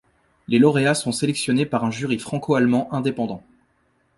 Les lauréats sont sélectionnés par un jury franco-allemand indépendant.